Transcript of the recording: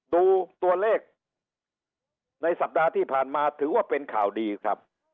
ดูตัวเลขในสัปดาห์ที่ผ่านมาถือว่าเป็นข่าวดีครับ